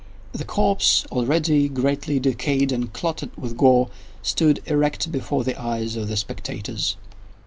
The corpse, already greatly decayed and clotted with gore, stood erect before the eyes of the spectators.